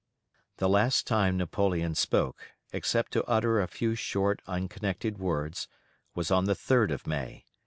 The last time Napoleon spoke, except to utter a few short unconnected words, was on the 3d of May.